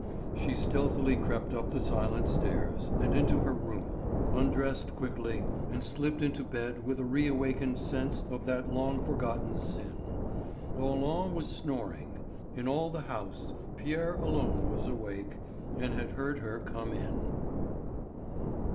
She stealthily crept up the silent stairs, and into her room, undressed quickly, and slipped into bed with a reawakened sense of that long forgotten sin. Roland was snoring. In all the house Pierre alone was awake, and had heard her come in.